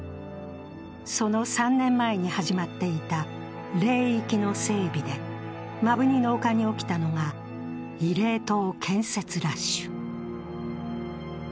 その３年前に始まっていた霊域の整備で摩文仁の丘に起きたのが、慰霊塔建設ラッシュ。